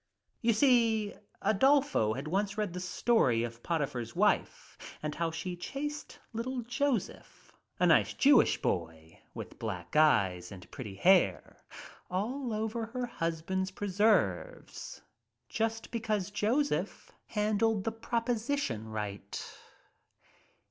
"You see, Adolfo had once read the story of Poti pher's wife and how she chased little Joseph, a nice Jewish boy with black eyes and pretty hair, all over her husband's preserves just because Joseph handled the proposition right.